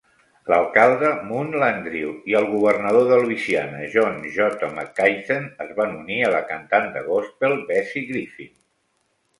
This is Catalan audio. L'alcalde Moon Landrieu i el governador de Louisiana John J. McKeithen es van unir a la cantant de gospel Bessie Griffin.